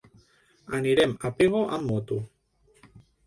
Anirem a Pego amb moto.